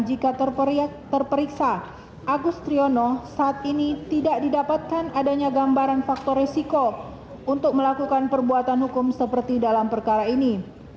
jika terperiksa agus triono saat ini tidak didapatkan adanya gambaran faktor resiko untuk melakukan perbuatan hukum seperti dalam perkara ini